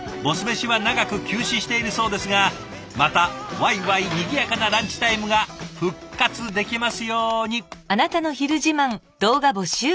飯は長く休止しているそうですがまたワイワイにぎやかなランチタイムが復活できますように。